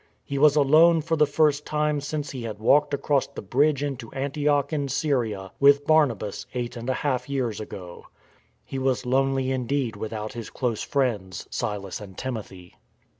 He was alone for the first time since he had walked across the bridge into Antioch in Syria with Barnabas eight and a half years ago,^ He was lonely indeed without his close friends — Silas and Timothy.